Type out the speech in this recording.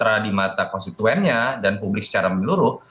karena di mata konstituennya dan publik secara meluruh